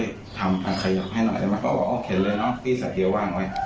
เคยบอกให้เขาว่าพี่ช่วยทำขยับให้หน่อยมันก็บอกเข็นเลยเนาะพี่สะเกียวว่างไว้